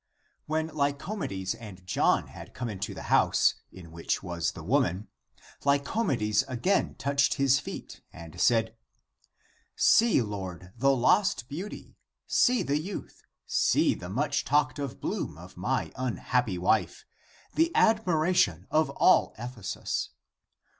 When Lycomedes and John had come into the house, in which was the woman, he (Lyco medes) again touched his feet, and said, " See, Lord, the lost beauty, see the youth, see the much talked of bloom of my unhappy wife, the admira tion of all Ephesus!